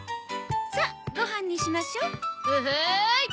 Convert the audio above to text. さあご飯にしましょう。